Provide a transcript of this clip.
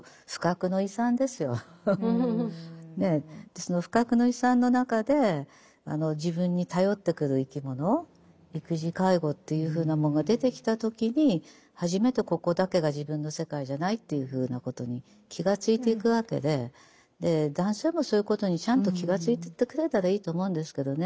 その不覚の違算の中で自分に頼ってくる生き物育児介護というふうなものが出てきた時に初めてここだけが自分の世界じゃないというふうなことに気がついていくわけで男性もそういうことにちゃんと気がついてってくれたらいいと思うんですけどね。